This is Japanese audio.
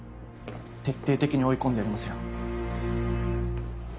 徹底的に追い込んでやりますよ。